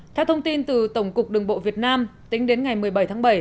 theo thông tin từ tổng cục đường bộ việt nam tính đến ngày một mươi bảy tháng bảy